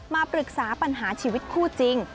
มาปรึกษาปัญหาชีวิตคู่จริง